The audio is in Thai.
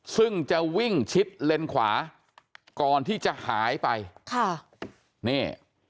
ซึ่งจะวิ่งชิดเลนขวาก่อนที่จะหายไปค่ะนี่